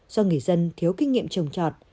do người dân thiếu kinh nghiệm trồng trọt